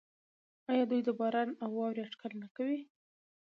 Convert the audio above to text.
آیا دوی د باران او واورې اټکل نه کوي؟